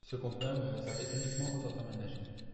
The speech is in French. Ce conteneur est réservé uniquement aux ordures ménagères.